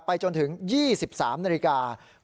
จนถึง๒๓นาฬิกา